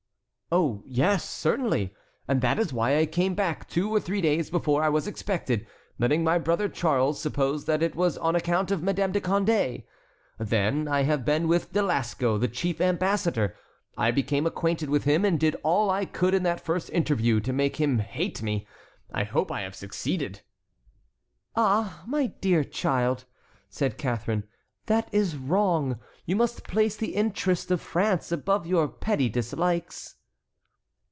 "Oh, yes, certainly, and that is why I came back two or three days before I was expected, letting my brother Charles suppose that it was on account of Madame de Condé. Then I have been with De Lasco, the chief ambassador. I became acquainted with him, and did all I could in that first interview to make him hate me. I hope I have succeeded." "Ah, my dear child," said Catharine, "that is wrong. You must place the interest of France above your petty dislikes."